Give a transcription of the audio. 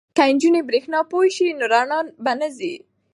که نجونې بریښنا پوهې شي نو رڼا به نه ځي.